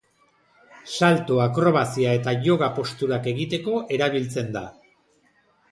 Salto, akrobazia eta yoga posturak egiteko erabiltzen da.